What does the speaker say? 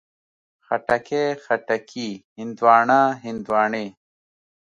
خټکی، خټکي، هندواڼه، هندواڼې